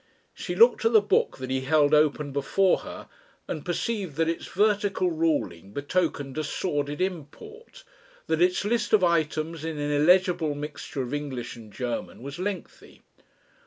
She looked at the book that he held open before her, and perceived that its vertical ruling betokened a sordid import, that its list of items in an illegible mixture of English and German was lengthy.